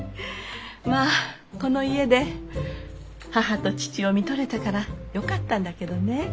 まあこの家で母と父をみとれたからよかったんだけどね。